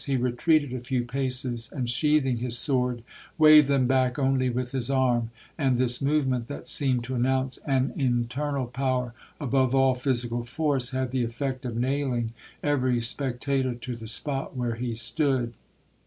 He retreated a few paces, and sheathing his sword, waved them back only with his arm; and this movement, that seemed to announce an internal power above all physical force, had the effect of nailing every spectator to the spot where he stood.